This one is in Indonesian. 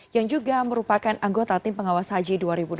yang juga merupakan anggota tim pengawas haji dua ribu dua puluh